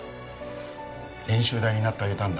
練習台になってあげたんだ？